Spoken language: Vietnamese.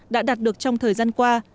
đã đạt được trong thời gian qua